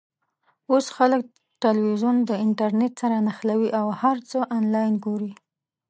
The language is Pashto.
اوس خلک ټلویزیون د انټرنېټ سره نښلوي او هر څه آنلاین ګوري.